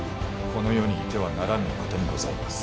この世にいてはならぬお方にございます。